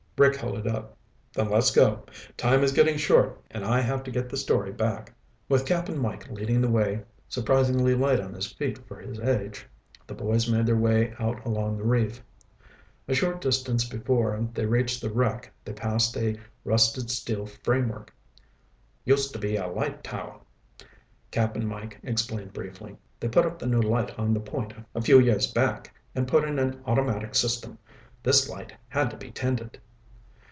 Rick held it up. "Then let's go. Time is getting short and I have to get the story back." With Cap'n Mike leading the way, surprisingly light on his feet for his age, the boys made their way out along the reef. A short distance before they reached the wreck they passed a rusted steel framework. "Used to be a light tower," Cap'n Mike explained briefly. "They put up the new light on the point a few years back and put in an automatic system. This light had to be tended."